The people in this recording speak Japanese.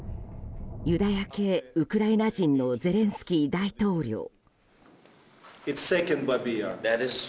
ユダヤ系ウクライナ人のゼレンスキー大統領。